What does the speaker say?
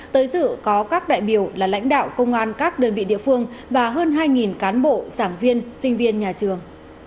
tới dự có các đại biểu là lãnh đạo công an các đơn vị địa phương và hơn hai cán bộ giảng viên sinh viên nhà trường